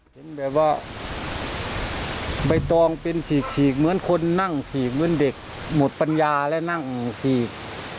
เห็นแบบว่าใบตองเป็นฉีกฉีกเหมือนคนนั่งฉีกเหมือนเด็กหมดปัญญาและนั่งฉีก